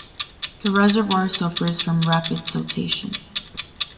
The reservoir suffers from rapid siltation.